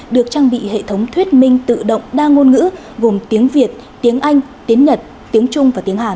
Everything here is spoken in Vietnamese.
được trang bị hệ thống thuyết minh tự động đa ngôn ngữ gồm tiếng việt tiếng anh tiếng nhật tiếng trung và tiếng hàn